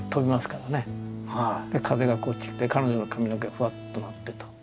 で風がこっち来て彼女の髪の毛がフワッとなってと。